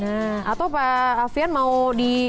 nah atau pak alfian mau di